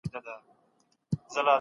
د ټول اقتصاد له نظره توازن راغلی دی.